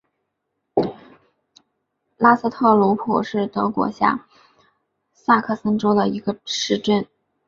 拉斯特鲁普是德国下萨克森州的一个市镇。